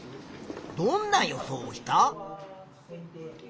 どんな予想をした？